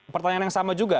pertanyaan yang sama juga